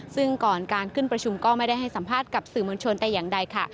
ซึ่งก่อนการขึ้นประชุมก็ไม่ได้ให้สัมภาษณ์กับสื่อมวลชนแต่อย่างใดค่ะ